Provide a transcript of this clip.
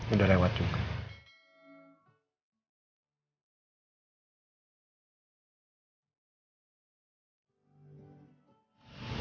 udah lewat juga